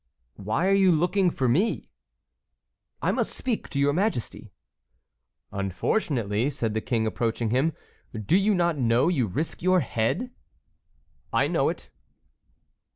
"Why are you looking for me?" "I must speak to your majesty." "Unfortunately," said the king, approaching him, "do you not know you risk your head?" "I know it."